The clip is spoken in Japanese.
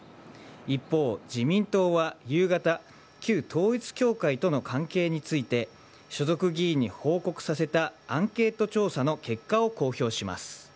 一方、自民党は夕方旧統一教会との関係について所属議員に報告させたアンケート調査の結果を公表します。